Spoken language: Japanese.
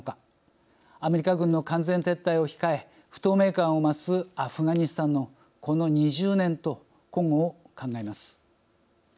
アメリカ軍の完全撤退を控え不透明感を増すアフガニスタンのこの２０年と今後を考えます。